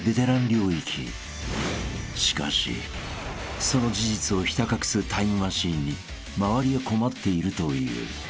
［しかしその事実をひた隠すタイムマシーンに周りは困っているという］